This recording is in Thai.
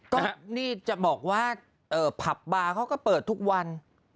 ก็นี่จะบอกว่าผับบาร์เขาก็เปิดทุกวัน